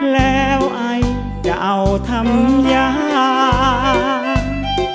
แล้วไอ้เจ้าทำยาม